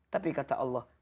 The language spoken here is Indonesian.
tapi kata allah